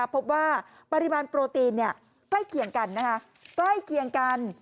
พบว่าปริมาณโปรตีนใกล้เคียงกัน